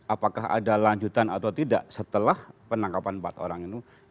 apakah ada lanjutan atau tidak setelah penangkapan empat orang itu